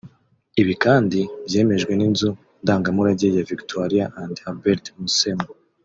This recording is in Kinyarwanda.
Ibi kandi byemejwe n’inzu ndangamurage ya Victoria and Albert Museum